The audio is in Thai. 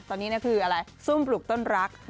ตอนนี้คืออะไรซุ่มปลูกต้นรัก